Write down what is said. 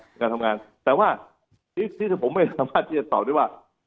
ในการทำงานแต่ว่าที่สิทธิ์ผมไม่สามารถที่จะตอบด้วยว่า